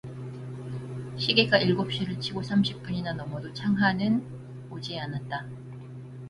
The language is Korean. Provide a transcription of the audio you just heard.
시계가 일곱 시를 치고 삼십분이나 넘어도 창하는 오지 않았다.